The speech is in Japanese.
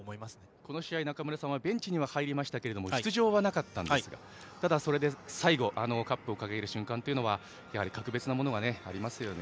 あの試合、中村さんはベンチには入りましたが出場はなかったんですがただ最後、カップを掲げる瞬間は格別なものがありますよね。